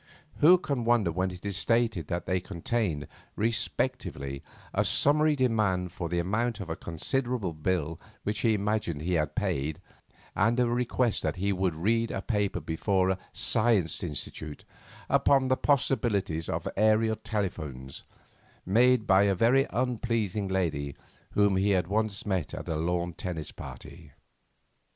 Who can wonder when it is stated that they contained, respectively, a summary demand for the amount of a considerable bill which he imagined he had paid, and a request that he would read a paper before a "Science Institute" upon the possibilities of aerial telephones, made by a very unpleasing lady whom he had once met at a lawn tennis party?